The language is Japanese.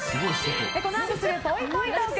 このあとすぐ、ぽいぽいトーク。